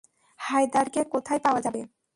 হায়দারকে কোথায় পাওয়া যাবে?